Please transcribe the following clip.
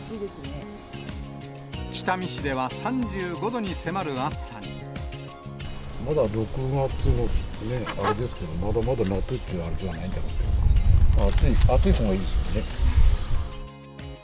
北見市では３５度に迫る暑さまだ６月のね、あれですけど、まだまだ夏ってあれじゃないけど、暑いほうがいいんですけどね。